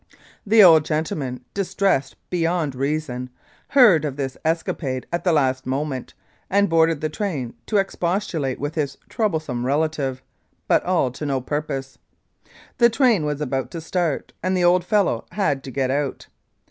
The old gentleman, dis tressed beyond reason, heard of this escapade at the last moment, and boarded the train to expostulate with his troublesome relative, but all to no purpose. The train was about to start, and the old fellow had to get out.